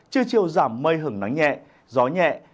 chưa chiều giảm mây hưởng nắng nhẹ gió nhẹ